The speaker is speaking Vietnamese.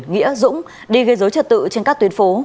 nghĩa dũng đi gây dối trật tự trên các tuyến phố